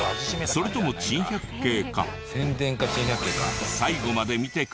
それとも珍百景か？